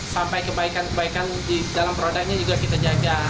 sampai kebaikan kebaikan di dalam produknya juga kita jaga